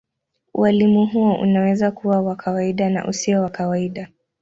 Ualimu huo unaweza kuwa wa kawaida na usio wa kawaida.